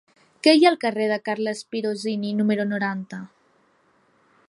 Què hi ha al carrer de Carles Pirozzini número noranta?